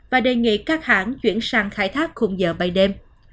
và đề nghị các hãng chuyển sang khai thác khung giảm